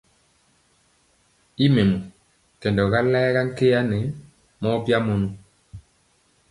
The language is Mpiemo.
I mɛmɔ, kɛndɔga layega nkya nɛ mɔ bya mɔnɔ.